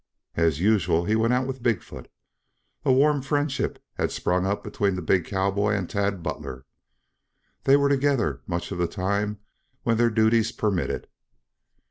As usual, he went out with Big foot. A warm friendship had sprung up between the big cowboy and Tad Butler. They were together much of the time when their duties permitted.